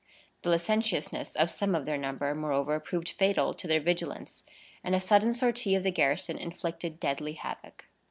The licentiousness of some of their number, moreover, proved fatal to their vigilance, and a sudden sortie of the garrison inflicted deadly havoc.